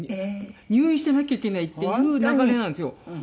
入院してなきゃいけないっていう流れなんですよ。